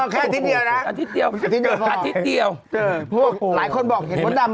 แค่อาทิตย์เดียวนะอาทิตย์เดียวพวกน้ำไว้เห็นไหม